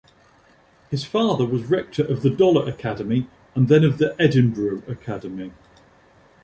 His father was Rector of the Dollar Academy and then of the Edinburgh Academy.